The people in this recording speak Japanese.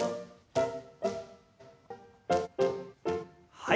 はい。